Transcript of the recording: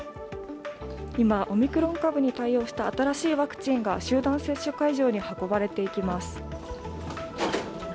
今、オミクロン株に対応した新しいワクチンが集団接種会場に運ばれていきます。